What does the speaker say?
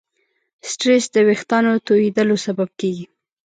سټرېس د وېښتیانو تویېدلو سبب کېږي.